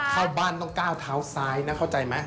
อุ๊ยข่าวบานของก้าวข่าวซ้ายนะเข้าใจไหม